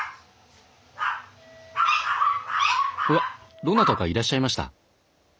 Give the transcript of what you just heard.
おやどなたかいらっしゃいました。